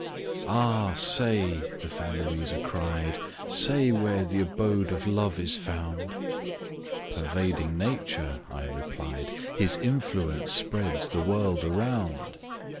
I. "AH! say," the fair Louisa cried, "Say where the abode of Love is found?" Pervading nature, I replied, His influence spreads the world around.